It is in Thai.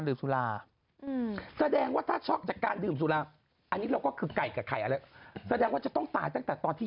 ตั้งแต่ตอนที่ยกขึ้นรถที่จะย้ายจากที่๑ไปที่๑